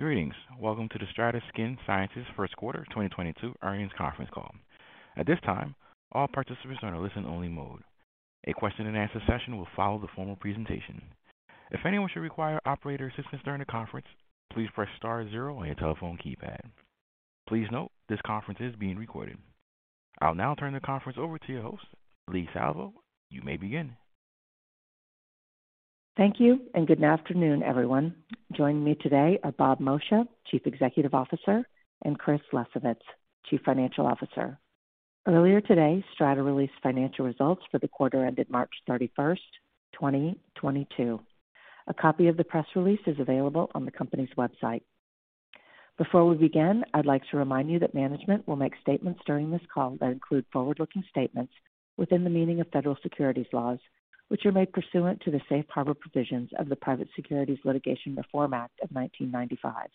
Greetings. Welcome to the STRATA Skin Sciences First Quarter 2022 Earnings Conference Call. At this time, all participants are in a listen-only mode. A question-and-answer session will follow the formal presentation. If anyone should require operator assistance during the conference, please press star zero on your telephone keypad. Please note, this conference is being recorded. I'll now turn the conference over to your host, Leigh Salvo. You may begin. Thank you, and good afternoon, everyone. Joining me today are Bob Moccia, Chief Executive Officer, and Christopher Lesovitz, Chief Financial Officer. Earlier today, STRATA released financial results for the quarter ended March 31, 2022. A copy of the press release is available on the company's website. Before we begin, I'd like to remind you that management will make statements during this call that include forward-looking statements within the meaning of federal securities laws, which are made pursuant to the Safe Harbor provisions of the Private Securities Litigation Reform Act of 1995.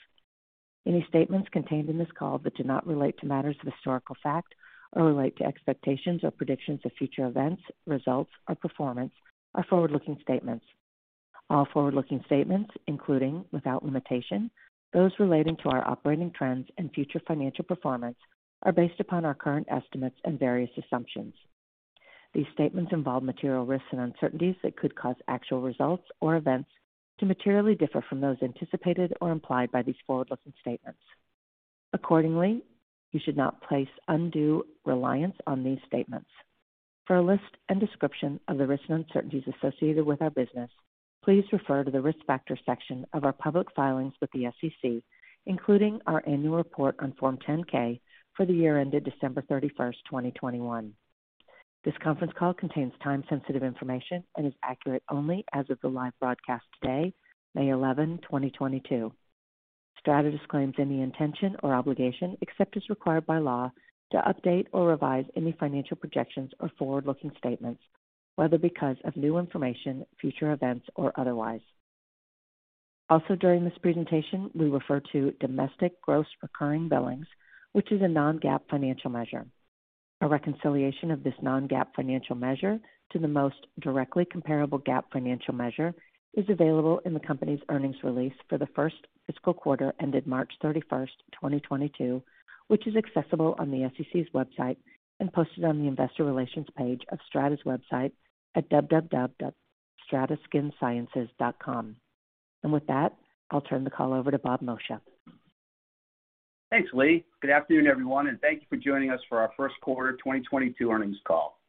Any statements contained in this call that do not relate to matters of historical fact or relate to expectations or predictions of future events, results or performance are forward-looking statements. All forward-looking statements, including, without limitation, those relating to our operating trends and future financial performance, are based upon our current estimates and various assumptions. These statements involve material risks and uncertainties that could cause actual results or events to materially differ from those anticipated or implied by these forward-looking statements. Accordingly, you should not place undue reliance on these statements. For a list and description of the risks and uncertainties associated with our business, please refer to the Risk Factors section of our public filings with the SEC, including our Annual Report on Form 10-K for the year ended December 31, 2021. This conference call contains time-sensitive information and is accurate only as of the live broadcast today, May 11, 2022. STRATA disclaims any intention or obligation, except as required by law, to update or revise any financial projections or forward-looking statements, whether because of new information, future events, or otherwise. Also, during this presentation, we refer to domestic gross recurring billings, which is a non-GAAP financial measure. A reconciliation of this non-GAAP financial measure to the most directly comparable GAAP financial measure is available in the company's earnings release for the first fiscal quarter ended March 31, 2022, which is accessible on the SEC's website and posted on the investor relations page of STRATA's website at www.strataskinsciences.com. With that, I'll turn the call over to Bob Moccia. Thanks, Leigh. Good afternoon, everyone, and thank you for joining us for our first quarter 2022 earnings call.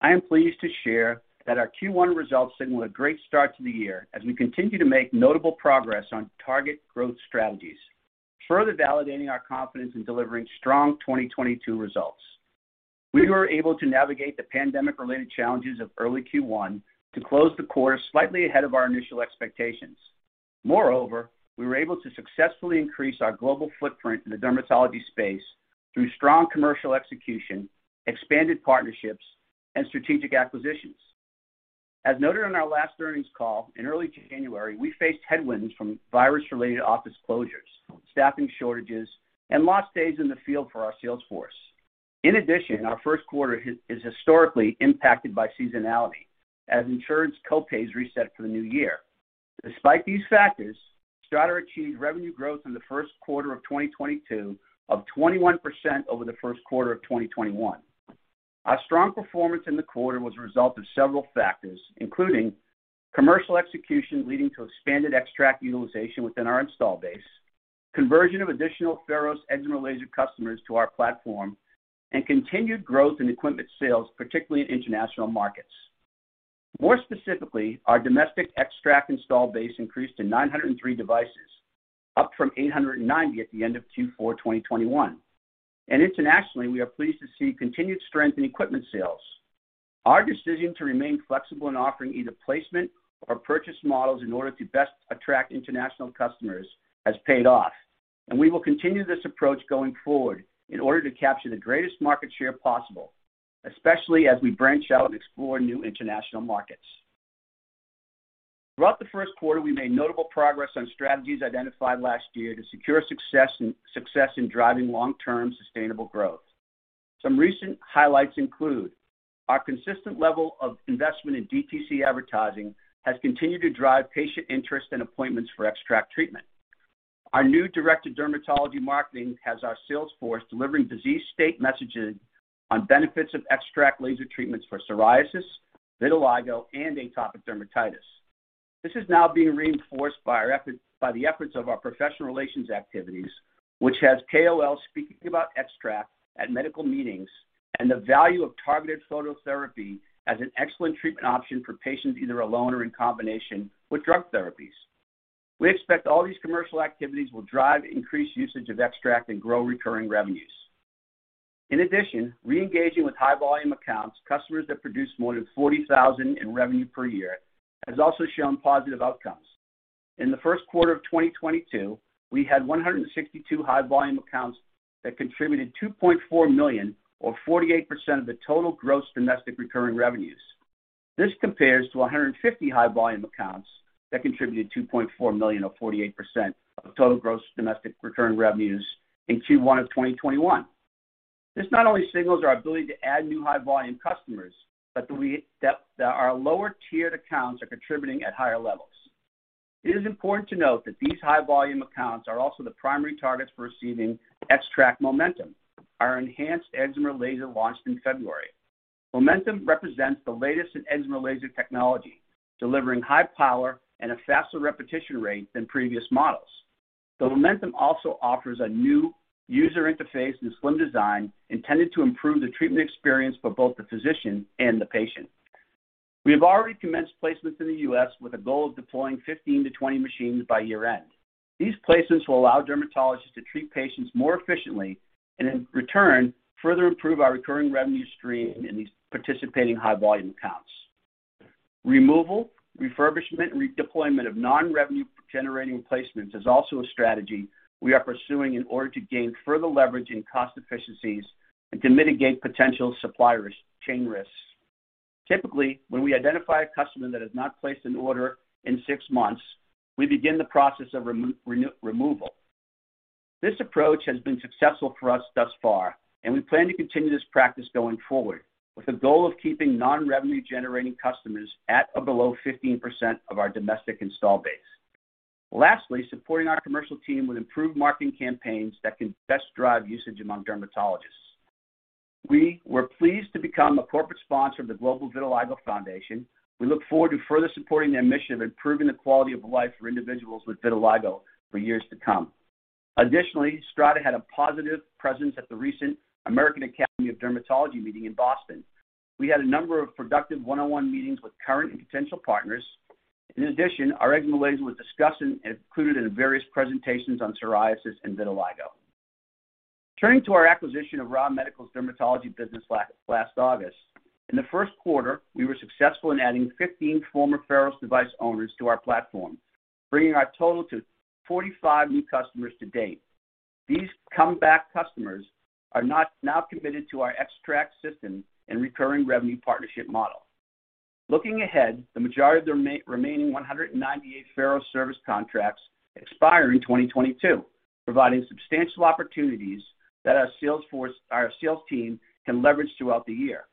I am pleased to share that our Q1 results signal a great start to the year as we continue to make notable progress on target growth strategies, further validating our confidence in delivering strong 2022 results. We were able to navigate the pandemic-related challenges of early Q1 to close the quarter slightly ahead of our initial expectations. Moreover, we were able to successfully increase our global footprint in the dermatology space through strong commercial execution, expanded partnerships, and strategic acquisitions. As noted on our last earnings call, in early January, we faced headwinds from virus-related office closures, staffing shortages, and lost days in the field for our sales force. In addition, our first quarter is historically impacted by seasonality as insurance co-pays reset for the new year. Despite these factors, Strata achieved revenue growth in the first quarter of 2022 of 21% over the first quarter of 2021. Our strong performance in the quarter was a result of several factors, including commercial execution leading to expanded XTRAC utilization within our install base, conversion of additional Pharos excimer laser customers to our platform, and continued growth in equipment sales, particularly in international markets. More specifically, our domestic XTRAC install base increased to 903 devices, up from 890 at the end of Q4 2021. Internationally, we are pleased to see continued strength in equipment sales. Our decision to remain flexible in offering either placement or purchase models in order to best attract international customers has paid off, and we will continue this approach going forward in order to capture the greatest market share possible, especially as we branch out and explore new international markets. Throughout the first quarter, we made notable progress on strategies identified last year to secure success in driving long-term sustainable growth. Some recent highlights include our consistent level of investment in DTC advertising has continued to drive patient interest and appointments for XTRAC treatment. Our new director of dermatology marketing has our sales force delivering disease state messages on benefits of XTRAC laser treatments for psoriasis, vitiligo, and atopic dermatitis. This is now being reinforced by the efforts of our professional relations activities, which has KOLs speaking about XTRAC at medical meetings and the value of targeted phototherapy as an excellent treatment option for patients either alone or in combination with drug therapies. We expect all these commercial activities will drive increased usage of XTRAC and grow recurring revenues. In addition, reengaging with high volume accounts, customers that produce more than 40,000 in revenue per year, has also shown positive outcomes. In the first quarter of 2022, we had 162 high volume accounts that contributed $2.4 million or 48% of the total gross domestic recurring revenues. This compares to 150 high volume accounts that contributed $2.4 million or 48% of total gross domestic recurring revenues in Q1 of 2021. This not only signals our ability to add new high volume customers, but that our lower tiered accounts are contributing at higher levels. It is important to note that these high volume accounts are also the primary targets for receiving XTRAC Momentum, our enhanced eczema laser launched in February. Momentum represents the latest in eczema laser technology, delivering high power and a faster repetition rate than previous models. The Momentum also offers a new user interface and slim design intended to improve the treatment experience for both the physician and the patient. We have already commenced placements in the U.S. with a goal of deploying 15-20 machines by year-end. These placements will allow dermatologists to treat patients more efficiently and in return, further improve our recurring revenue stream in these participating high volume accounts. Removal, refurbishment, and deployment of non-revenue generating placements is also a strategy we are pursuing in order to gain further leverage in cost efficiencies and to mitigate potential supply chain risks. Typically, when we identify a customer that has not placed an order in six months, we begin the process of removal. This approach has been successful for us thus far, and we plan to continue this practice going forward with the goal of keeping non-revenue generating customers at or below 15% of our domestic install base. Lastly, supporting our commercial team with improved marketing campaigns that can best drive usage among dermatologists. We were pleased to become a corporate sponsor of the Global Vitiligo Foundation. We look forward to further supporting their mission of improving the quality of life for individuals with vitiligo for years to come. Additionally, STRATA had a positive presence at the recent American Academy of Dermatology meeting in Boston. We had a number of productive one-on-one meetings with current and potential partners. In addition, our eczema laser was discussed and included in various presentations on psoriasis and vitiligo. Turning to our acquisition of Ra Medical's dermatology business last August. In the first quarter, we were successful in adding 15 former Pharos device owners to our platform, bringing our total to 45 new customers to date. These comeback customers are now committed to our XTRAC system and recurring revenue partnership model. Looking ahead, the majority of the remaining 198 Pharos service contracts expire in 2022, providing substantial opportunities that our sales team can leverage throughout the year.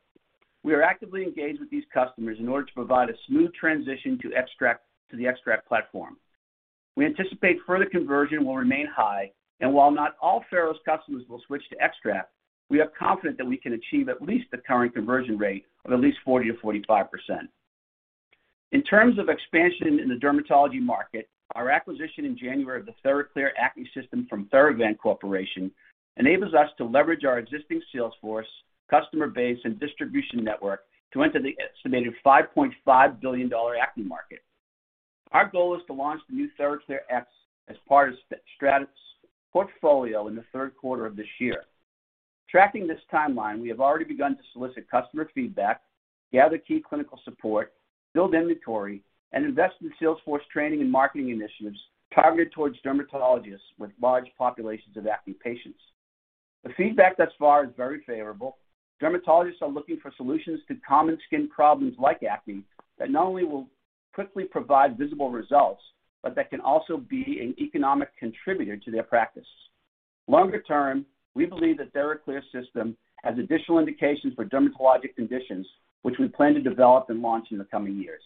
We are actively engaged with these customers in order to provide a smooth transition to the XTRAC platform. We anticipate further conversion will remain high, and while not all Pharos customers will switch to XTRAC, we are confident that we can achieve at least the current conversion rate of at least 40%-45%. In terms of expansion in the dermatology market, our acquisition in January of the TheraClear acne system from Theravant Corporation enables us to leverage our existing sales force, customer base, and distribution network to enter the estimated $5.5 billion acne market. Our goal is to launch the new TheraClear X as part of Strata's portfolio in the third quarter of this year. Tracking this timeline, we have already begun to solicit customer feedback, gather key clinical support, build inventory, and invest in sales force training and marketing initiatives targeted towards dermatologists with large populations of acne patients. The feedback thus far is very favorable. Dermatologists are looking for solutions to common skin problems like acne that not only will quickly provide visible results, but that can also be an economic contributor to their practice. Longer term, we believe that TheraClear system has additional indications for dermatologic conditions, which we plan to develop and launch in the coming years.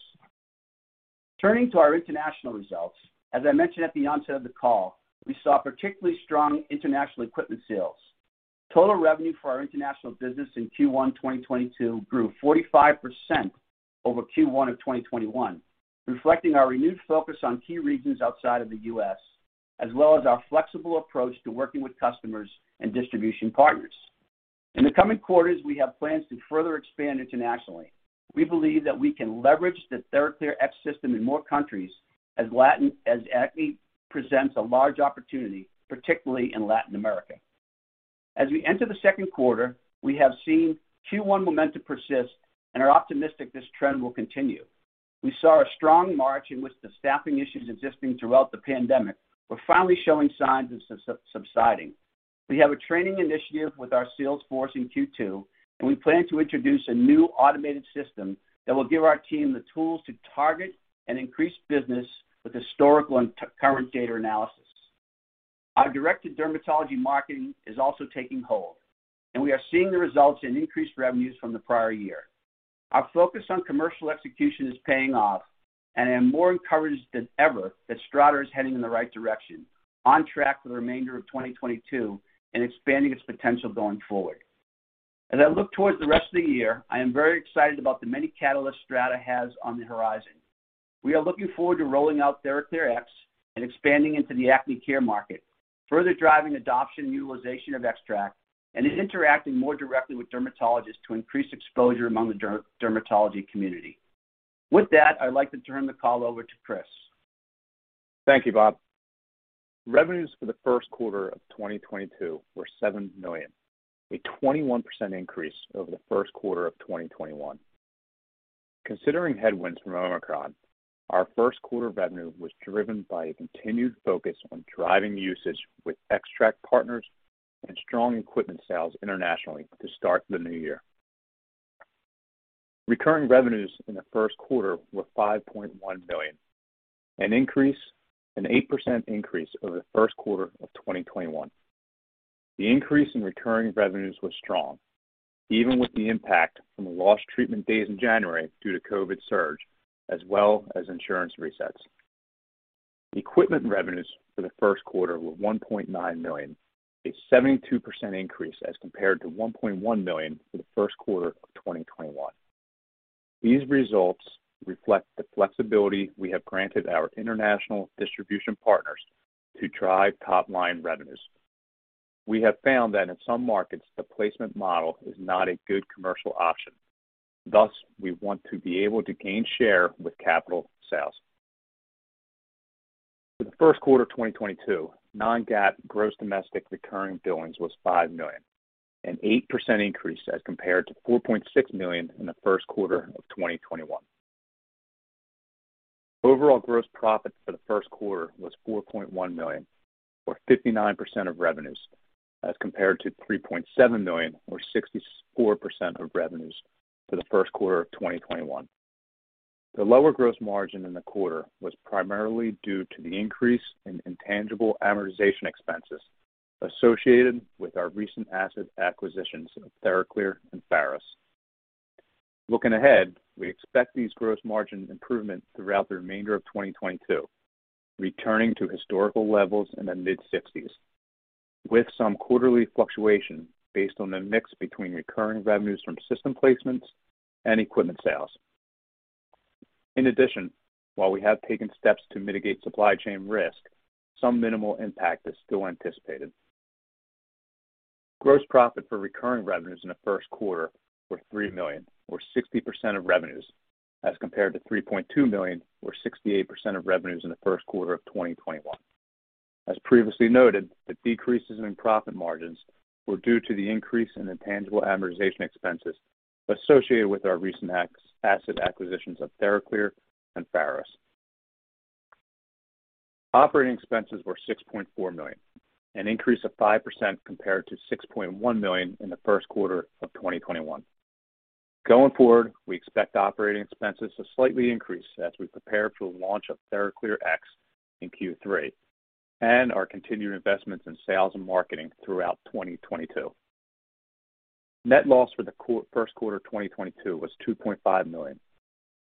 Turning to our international results, as I mentioned at the onset of the call, we saw particularly strong international equipment sales. Total revenue for our international business in Q1 2022 grew 45% over Q1 of 2021, reflecting our renewed focus on key regions outside of the U.S., as well as our flexible approach to working with customers and distribution partners. In the coming quarters, we have plans to further expand internationally. We believe that we can leverage the TheraClear X system in more countries as acne presents a large opportunity, particularly in Latin America. As we enter the second quarter, we have seen Q1 momentum persist and are optimistic this trend will continue. We saw a strong March in which the staffing issues existing throughout the pandemic were finally showing signs of subsiding. We have a training initiative with our sales force in Q2, and we plan to introduce a new automated system that will give our team the tools to target and increase business with historical and current data analysis. Our directed dermatology marketing is also taking hold, and we are seeing the results in increased revenues from the prior year. Our focus on commercial execution is paying off, and I am more encouraged than ever that Strata is heading in the right direction, on track for the remainder of 2022 and expanding its potential going forward. As I look towards the rest of the year, I am very excited about the many catalysts Strata has on the horizon. We are looking forward to rolling out TheraClear X and expanding into the acne care market, further driving adoption and utilization of XTRAC, and interacting more directly with dermatologists to increase exposure among the dermatology community. With that, I'd like to turn the call over to Chris. Thank you, Bob. Revenues for the first quarter of 2022 were $7 million, a 21% increase over the first quarter of 2021. Considering headwinds from Omicron, our first quarter revenue was driven by a continued focus on driving usage with XTRAC partners and strong equipment sales internationally to start the new year. Recurring revenues in the first quarter were $5.1 million, an 8% increase over the first quarter of 2021. The increase in recurring revenues was strong even with the impact from the lost treatment days in January due to COVID surge as well as insurance resets. Equipment revenues for the first quarter were $1.9 million, a 72% increase as compared to $1.1 million for the first quarter of 2021. These results reflect the flexibility we have granted our international distribution partners to drive top line revenues. We have found that in some markets, the placement model is not a good commercial option. Thus, we want to be able to gain share with capital sales. For the first quarter of 2022, non-GAAP domestic gross recurring billings was $5 million, an 8% increase as compared to $4.6 million in the first quarter of 2021. Overall gross profit for the first quarter was $4.1 million, or 59% of revenues, as compared to $3.7 million, or 64% of revenues for the first quarter of 2021. The lower gross margin in the quarter was primarily due to the increase in intangible amortization expenses associated with our recent asset acquisitions of TheraClear and Pharos. Looking ahead, we expect these gross margin improvements throughout the remainder of 2022, returning to historical levels in the mid-60s, with some quarterly fluctuation based on the mix between recurring revenues from system placements and equipment sales. In addition, while we have taken steps to mitigate supply chain risk, some minimal impact is still anticipated. Gross profit for recurring revenues in the first quarter were $3 million or 60% of revenues, as compared to $3.2 million or 68% of revenues in the first quarter of 2021. As previously noted, the decreases in profit margins were due to the increase in intangible amortization expenses associated with our recent asset acquisitions of TheraClear and Pharos. Operating expenses were $6.4 million, an increase of 5% compared to $6.1 million in the first quarter of 2021. Going forward, we expect operating expenses to slightly increase as we prepare for the launch of TheraClear X in Q3 and our continuing investments in sales and marketing throughout 2022. Net loss for the first quarter of 2022 was $2.5 million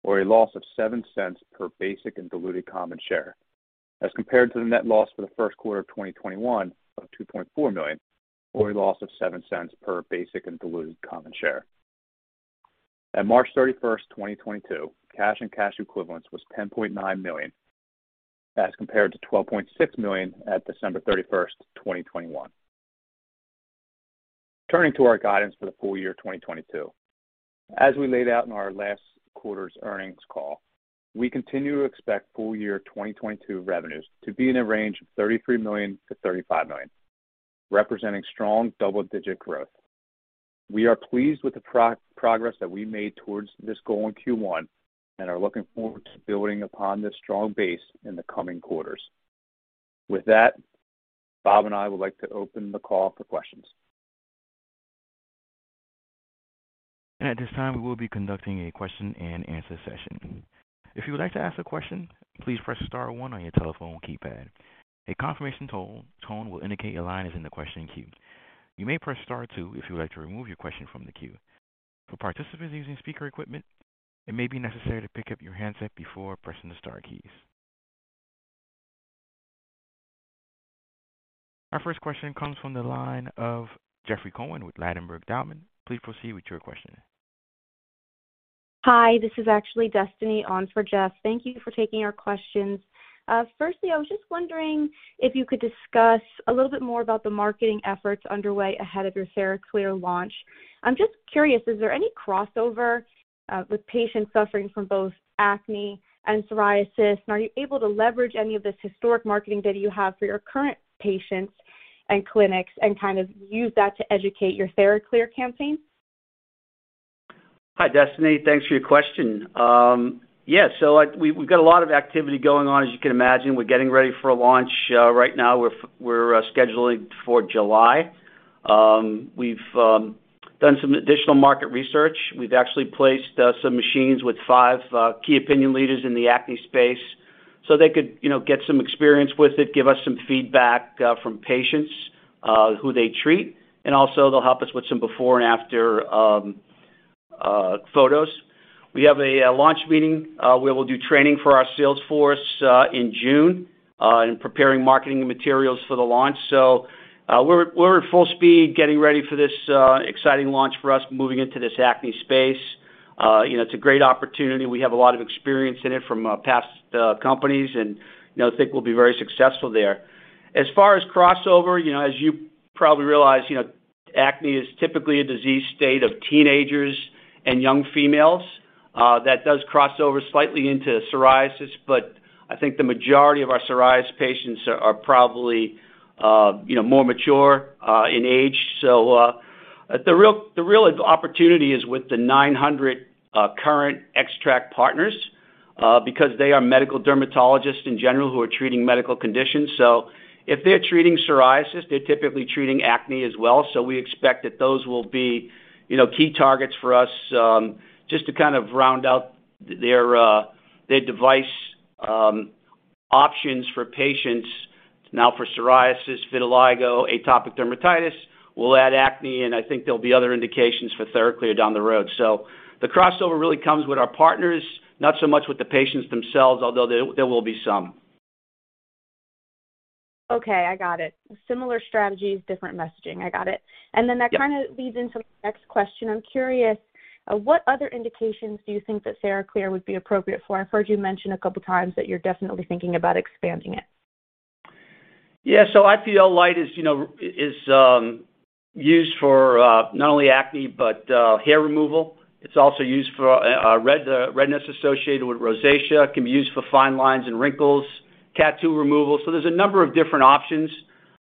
or a loss of $0.07 per basic and diluted common share, as compared to the net loss for the first quarter of 2021 of $2.4 million or a loss of $0.07 per basic and diluted common share. At March 31, 2022, cash and cash equivalents was $10.9 million, as compared to $12.6 million at December 31, 2021. Turning to our guidance for the full year 2022. As we laid out in our last quarter's earnings call, we continue to expect full year 2022 revenues to be in a range of $33 million-$35 million, representing strong double-digit growth. We are pleased with the progress that we made towards this goal in Q1 and are looking forward to building upon this strong base in the coming quarters. With that, Bob and I would like to open the call for questions. At this time, we will be conducting a question and answer session. If you would like to ask a question, please press star one on your telephone keypad. A confirmation tone will indicate your line is in the question queue. You may press star two if you would like to remove your question from the queue. For participants using speaker equipment, it may be necessary to pick up your handset before pressing the star keys. Our first question comes from the line of Jeffrey Cohen with Ladenburg Thalmann. Please proceed with your question. Hi, this is actually Destiny on for Jeff. Thank you for taking our questions. Firstly, I was just wondering if you could discuss a little bit more about the marketing efforts underway ahead of your TheraClear launch. I'm just curious, is there any crossover with patients suffering from both acne and psoriasis? And are you able to leverage any of this historic marketing data you have for your current patients and clinics and kind of use that to educate your TheraClear campaign? Hi, Destiny. Thanks for your question. We’ve got a lot of activity going on, as you can imagine. We’re getting ready for a launch. Right now we’re scheduling for July. We’ve done some additional market research. We’ve actually placed some machines with five key opinion leaders in the acne space so they could, you know, get some experience with it, give us some feedback from patients who they treat, and also they’ll help us with some before and after photos. We have a launch meeting where we’ll do training for our sales force in June and preparing marketing materials for the launch. We’re at full speed getting ready for this exciting launch for us moving into this acne space. You know, it’s a great opportunity. We have a lot of experience in it from past companies and, you know, think we'll be very successful there. As far as crossover, you know, as you probably realize, you know, acne is typically a disease state of teenagers and young females that does crossover slightly into psoriasis. I think the majority of our psoriasis patients are probably, you know, more mature in age. The real opportunity is with the 900 current XTRAC partners. Because they are medical dermatologists in general who are treating medical conditions. If they're treating psoriasis, they're typically treating acne as well. We expect that those will be, you know, key targets for us, just to kind of round out their device options for patients now for psoriasis, vitiligo, atopic dermatitis. We'll add acne, and I think there'll be other indications for TheraClear down the road. The crossover really comes with our partners, not so much with the patients themselves, although there will be some. Okay, I got it. Similar strategies, different messaging. I got it. Yeah. that kind of leads into the next question. I'm curious, what other indications do you think that TheraClear would be appropriate for? I've heard you mention a couple times that you're definitely thinking about expanding it. Yeah. IPL light is used for not only acne, but hair removal. It's also used for redness associated with rosacea, can be used for fine lines and wrinkles, tattoo removal. There's a number of different options.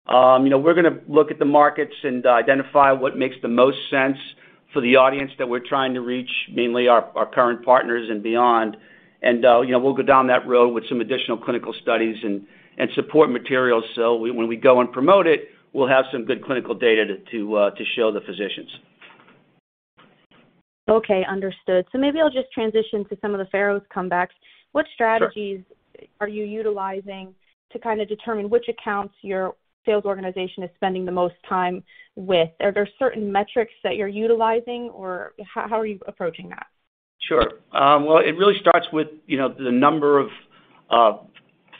We're gonna look at the markets and identify what makes the most sense for the audience that we're trying to reach, mainly our current partners and beyond. We'll go down that road with some additional clinical studies and support materials. When we go and promote it, we'll have some good clinical data to show the physicians. Okay. Understood. Maybe I'll just transition to some of the Pharos comebacks. Sure. What strategies are you utilizing to kind of determine which accounts your sales organization is spending the most time with? Are there certain metrics that you're utilizing, or how are you approaching that? Sure. Well, it really starts with, you know, the number of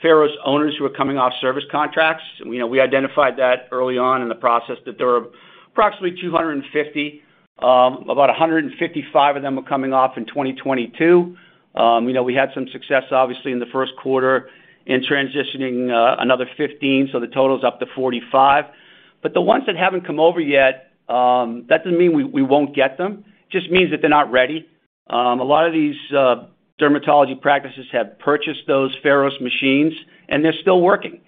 Pharos owners who are coming off service contracts. You know, we identified that early on in the process that there are approximately 250, about 155 of them are coming off in 2022. You know, we had some success obviously in the first quarter in transitioning another 15, so the total's up to 45. The ones that haven't come over yet, that doesn't mean we won't get them. It just means that they're not ready. A lot of these dermatology practices have purchased those Pharos machines, and they're still working.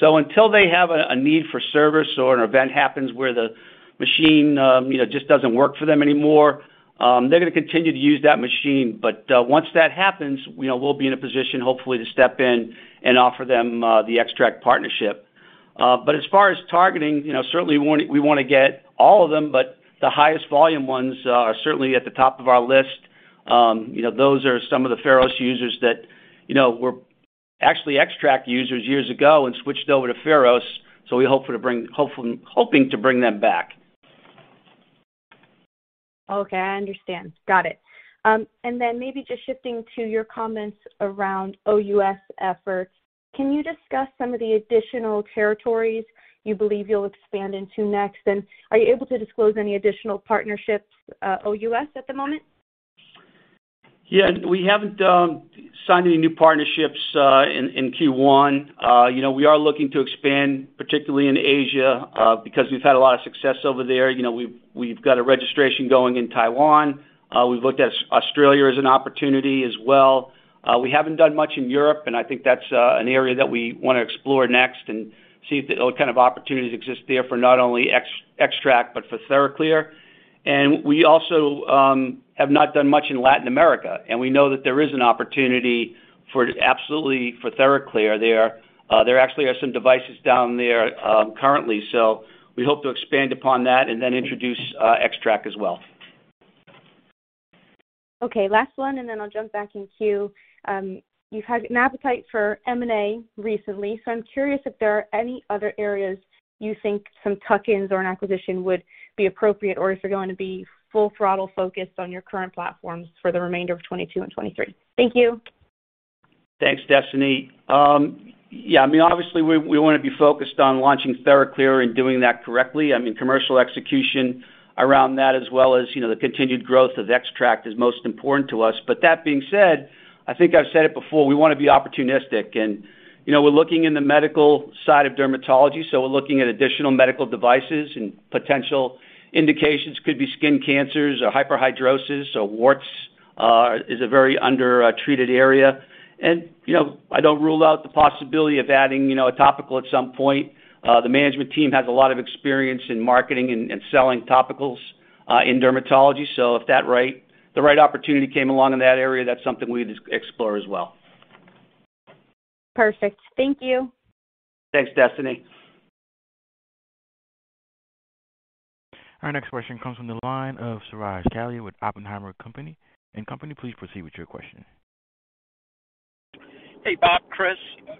So until they have a need for service or an event happens where the machine, you know, just doesn't work for them anymore, they're gonna continue to use that machine. Once that happens, you know, we'll be in a position hopefully to step in and offer them the XTRAC partnership. As far as targeting, you know, certainly we want, we wanna get all of them, but the highest volume ones are certainly at the top of our list. You know, those are some of the Pharos users that, you know, were actually XTRAC users years ago and switched over to Pharos, so we hope to bring them back. Okay, I understand. Got it. Maybe just shifting to your comments around OUS efforts, can you discuss some of the additional territories you believe you'll expand into next? Are you able to disclose any additional partnerships, OUS at the moment? Yeah. We haven't signed any new partnerships in Q1. You know, we are looking to expand, particularly in Asia, because we've had a lot of success over there. You know, we've got a registration going in Taiwan. We've looked at Australia as an opportunity as well. We haven't done much in Europe, and I think that's an area that we wanna explore next and see what kind of opportunities exist there for not only XTRAC but for TheraClear. We also have not done much in Latin America, and we know that there is an opportunity, absolutely, for TheraClear there. There actually are some devices down there currently. We hope to expand upon that and then introduce XTRAC as well. Okay, last one, and then I'll jump back in queue. You've had an appetite for M&A recently. So I'm curious if there are any other areas you think some tuck-ins or an acquisition would be appropriate, or if you're going to be full throttle focused on your current platforms for the remainder of 2022 and 2023? Thank you. Thanks, Destiny. Yeah, I mean, obviously we wanna be focused on launching TheraClear and doing that correctly. I mean, commercial execution around that as well as, you know, the continued growth of XTRAC is most important to us. That being said, I think I've said it before, we wanna be opportunistic and, you know, we're looking in the medical side of dermatology, so we're looking at additional medical devices and potential indications. Could be skin cancers or hyperhidrosis or warts is a very under treated area. You know, I don't rule out the possibility of adding, you know, a topical at some point. The management team has a lot of experience in marketing and selling topicals in dermatology. If that the right opportunity came along in that area, that's something we'd explore as well. Perfect. Thank you. Thanks, Destiny. Our next question comes from the line of Suraj Kalia with Oppenheimer & Co. Suraj Kalia, please proceed with your question. Hey, Bob, Chris,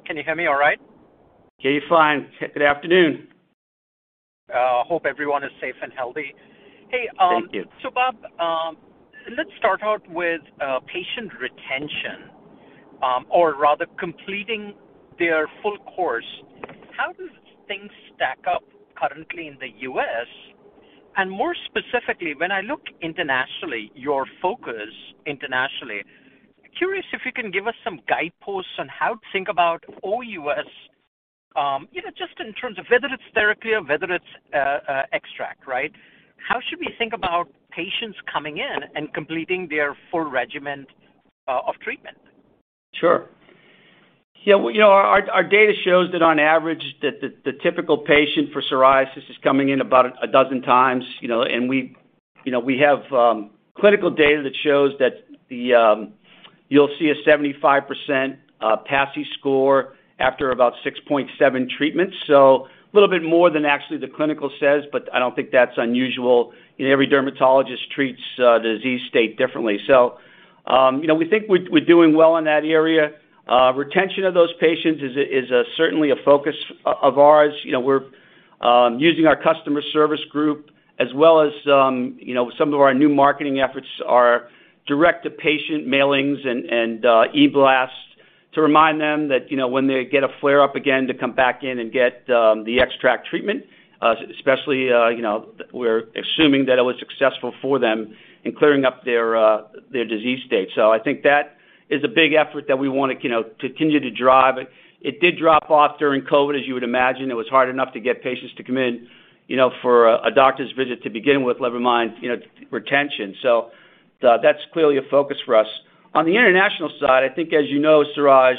can you hear me all right? Good afternoon. Hope everyone is safe and healthy. Hey, Thank you. Bob, let's start out with patient retention, or rather completing their full course. How does things stack up currently in the U.S.? More specifically, when I look internationally, your focus internationally, curious if you can give us some guideposts on how to think about OUS, you know, just in terms of whether it's TheraClear, whether it's XTRAC, right? How should we think about patients coming in and completing their full regimen of treatment? Sure. Yeah, well, you know, our data shows that on average, the typical patient for psoriasis is coming in about 12 times, you know, and we have clinical data that shows that you'll see a 75% PASI score after about 6.7 treatments. A little bit more than actually the clinical says, but I don't think that's unusual. You know, every dermatologist treats the disease state differently. You know, we think we're doing well in that area. Retention of those patients is certainly a focus of ours. You know, we're using our customer service group as well as, you know, some of our new marketing efforts are direct-to-patient mailings and e-blasts to remind them that, you know, when they get a flare up again to come back in and get the XTRAC treatment, especially, you know, we're assuming that it was successful for them in clearing up their their disease state. I think that is a big effort that we wanna, you know, continue to drive. It did drop off during COVID, as you would imagine. It was hard enough to get patients to come in, you know, for a doctor's visit to begin with, let alone, you know, retention. That's clearly a focus for us. On the international side, I think, as you know, Suraj,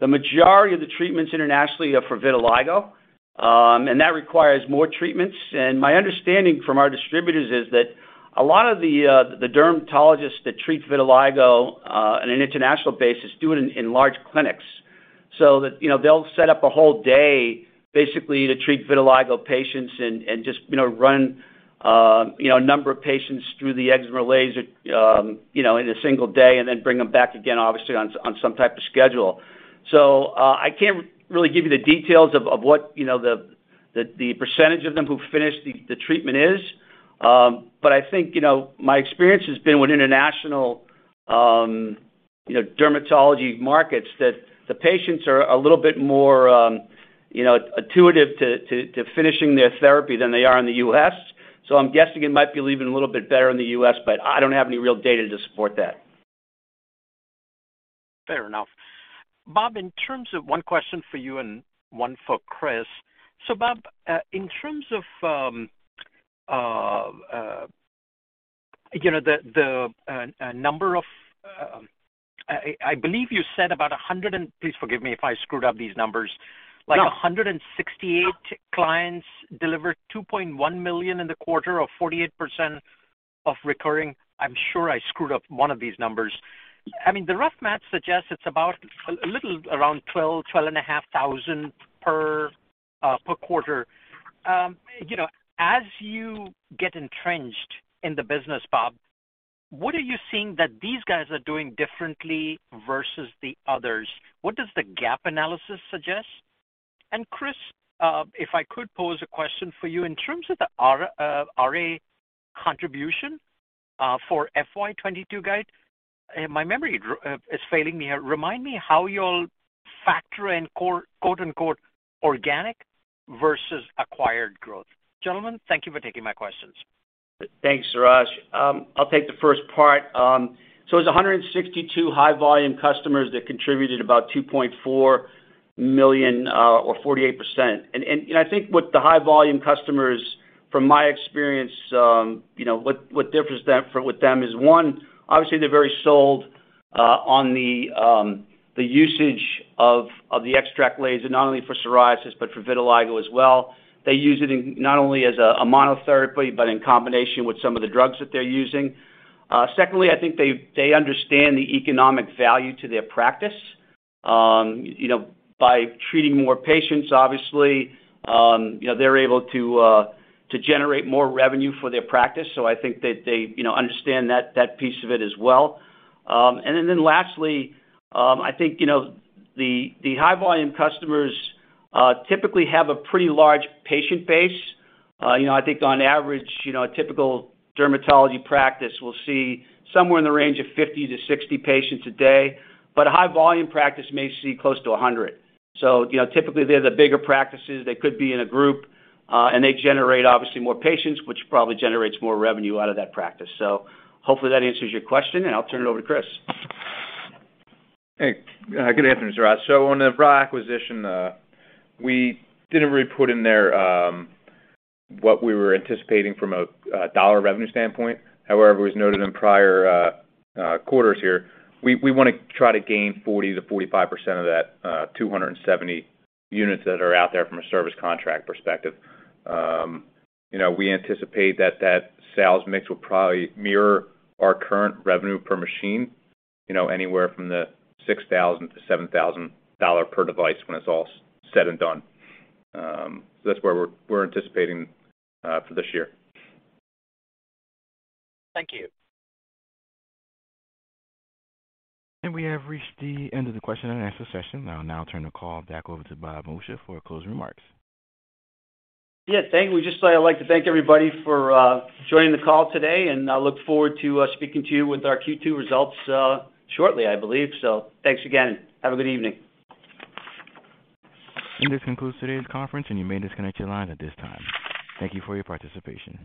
the majority of the treatments internationally are for vitiligo, and that requires more treatments. My understanding from our distributors is that a lot of the dermatologists that treat vitiligo on an international basis do it in large clinics. That, you know, they'll set up a whole day basically to treat vitiligo patients and just, you know, run a number of patients through the excimer laser, you know, in a single day and then bring them back again, obviously on some type of schedule. I can't really give you the details of what, you know, the percentage of them who finish the treatment is. I think, you know, my experience has been with international, you know, dermatology markets, that the patients are a little bit more, you know, intuitive to finishing their therapy than they are in the US. I'm guessing it might be leaving a little bit better in the U.S., but I don't have any real data to support that. Fair enough. Bob, in terms of one question for you and one for Chris. Bob, in terms of you know the number of, I believe you said about 100 and please forgive me if I screwed up these numbers. No. Like 168 clients delivered $2.1 million in the quarter or 48% of recurring. I'm sure I screwed up one of these numbers. I mean, the rough math suggests it's about a little around 12.5 thousand per quarter. You know, as you get entrenched in the business, Bob, what are you seeing that these guys are doing differently versus the others? What does the gap analysis suggest? Chris, if I could pose a question for you. In terms of the RA contribution, for FY 2022 guide, my memory is failing me. Remind me how you'll factor in quote, unquote, organic versus acquired growth. Gentlemen, thank you for taking my questions. Thanks, Suraj. I'll take the first part. So it's 162 high volume customers that contributed about $2.4 million, or 48%. I think with the high volume customers, from my experience, you know, with them is one, obviously they're very sold on the usage of the XTRAC laser, not only for psoriasis, but for vitiligo as well. They use it in not only as a monotherapy, but in combination with some of the drugs that they're using. Secondly, I think they understand the economic value to their practice. You know, by treating more patients, obviously, you know, they're able to to generate more revenue for their practice. I think they, you know, understand that piece of it as well. Lastly, I think you know the high volume customers typically have a pretty large patient base. You know, I think on average you know a typical dermatology practice will see somewhere in the range of 50-60 patients a day, but a high volume practice may see close to 100. You know, typically, they're the bigger practices. They could be in a group and they generate obviously more patients, which probably generates more revenue out of that practice. Hopefully that answers your question, and I'll turn it over to Chris. Hey, good afternoon, Suraj. On the Ra Medical acquisition, we didn't really put in there what we were anticipating from a dollar revenue standpoint. However, it was noted in prior quarters here, we wanna try to gain 40%-45% of that 270 units that are out there from a service contract perspective. You know, we anticipate that sales mix will probably mirror our current revenue per machine, you know, anywhere from the $6,000-$7,000 per device when it's all said and done. That's where we're anticipating for this year. Thank you. We have reached the end of the question and answer session. I'll now turn the call back over to Bob Moccia for closing remarks. Yeah, thank you. I'd like to thank everybody for joining the call today, and I look forward to speaking to you with our Q2 results shortly, I believe. Thanks again. Have a good evening. This concludes today's conference, and you may disconnect your line at this time. Thank you for your participation.